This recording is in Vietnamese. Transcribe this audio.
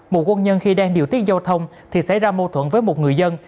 một quân nhân khi đang điều tiết giao thông thì xảy ra mâu thuẫn với một người dân